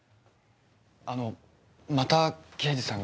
あのまた刑事さんが。